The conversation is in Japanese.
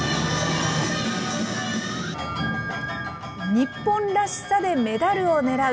日本らしさでメダルを狙う。